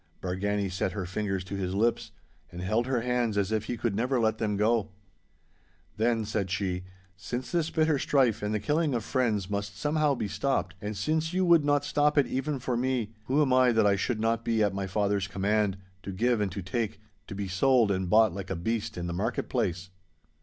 Bargany set her fingers to his lips, and held her hands as if he could never let them go. 'Then,' said she, 'since this bitter strife and the killing of friends must somehow be stopped, and since you would not stop it even for me—who am I that I should not be at my father's command, to give and to take, to be sold and bought like a beast in the market place?